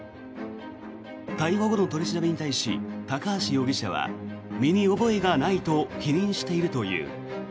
逮捕後の取り調べに対し高橋容疑者は身に覚えがないと否認しているという。